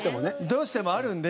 どうしてもあるんで。